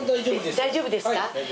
大丈夫ですか？